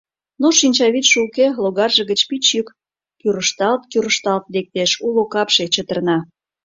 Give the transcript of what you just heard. Но шинчавӱдшӧ уке, логарже гыч пич йӱк кӱрышталт-кӱрышталт лектеш, уло капше чытырна.